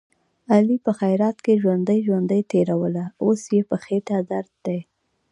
علي په خیرات کې ژوندۍ ژوندۍ تېروله، اوس یې په خېټه درد دی.